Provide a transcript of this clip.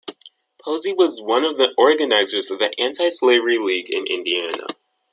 Posey was one of the organizers of the Anti-Slavery League of Indiana.